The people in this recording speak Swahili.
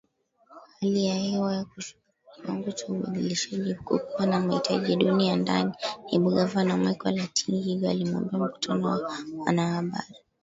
Hali ya hewa na kushuka kwa kiwango cha ubadilishaji huku kukiwa na mahitaji duni ya ndani, Naibu Gavana Michael Atingi-Ego aliuambia mkutano wa wanahabari